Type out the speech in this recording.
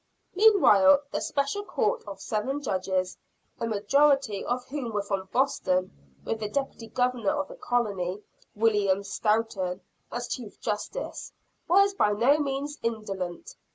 Meanwhile the Special Court of seven Judges a majority of whom were from Boston, with the Deputy Governor of the Colony, William Stoughten, as Chief Justice was by no means indolent.